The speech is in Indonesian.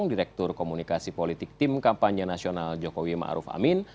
direktur komunikasi politik tim kampanye nasional jokowi ma'ruf amin